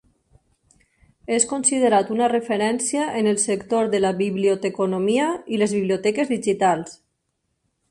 És considerat una referència en el sector de la biblioteconomia i les biblioteques digitals.